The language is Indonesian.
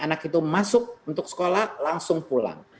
anak itu masuk untuk sekolah langsung pulang